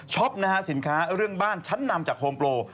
นะฮะสินค้าเรื่องบ้านชั้นนำจากโฮมโปร